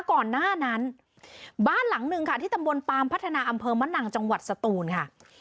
ก่อนหน้านั้นบ้านหลังหนึ่งค่ะที่ตำบลปามพัฒนาอำเภอมะนังจังหวัดสตูนค่ะ